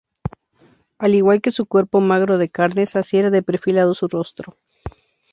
Al igual que su cuerpo magro de carnes, así era de perfilado su rostro.